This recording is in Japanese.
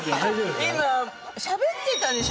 今しゃべってたでしょ